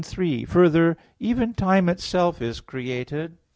3: Further, even time itself is created.